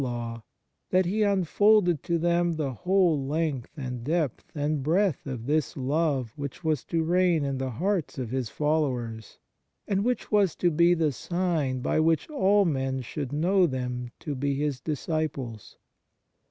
44 46. 2 Luke vi. 36, 37. 128 ON SOME PREROGATIVES OF GRACE Law, that He unfolded to them the whole length and depth and breadth of this love which was to reign in the hearts of His followers, and which was to be the sign by which all men should know them to be His disciples.